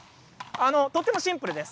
とてもシンプルです。